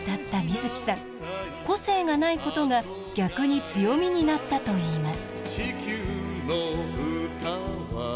個性がないことが逆に強みになったといいます。